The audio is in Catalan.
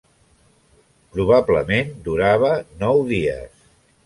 Probablement durava nou dies.